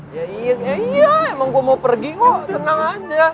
ya iya emang gue mau pergi kok tenang aja